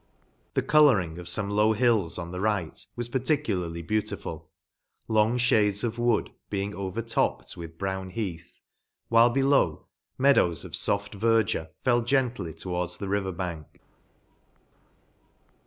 The colouring of fome low hills, on the right, was particularly beautiful, long fhades Of wood being overtopped with brown /*' heath, while, below, meadows of foft ver dure fell gently towards the river bank.